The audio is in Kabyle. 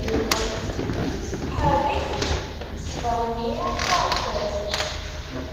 Ḥerrek ssbaɣ-nni s uεekkaz!